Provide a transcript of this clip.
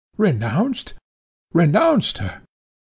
Renounced? renounced her?